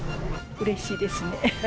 うれしいですね。